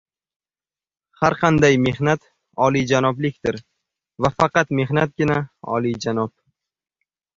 Har qanday mehnat olijanoblikdir va faqat mehnatgina olijanob.